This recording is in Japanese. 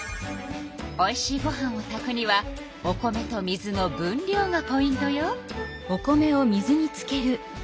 おいしいご飯を炊くにはお米と水の分量がポイントよ。